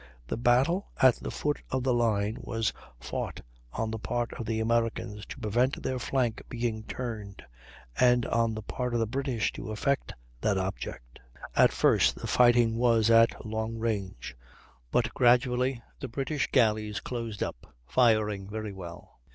The battle at the foot of the line was fought on the part of the Americans to prevent their flank being turned, and on the part of the British to effect that object. At first, the fighting was at long range, but gradually the British galleys closed up, firing very well.